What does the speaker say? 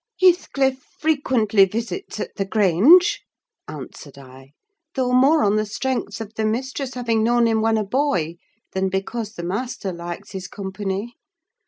"Heathcliff frequently visits at the Grange," answered I, "though more on the strength of the mistress having known him when a boy, than because the master likes his company.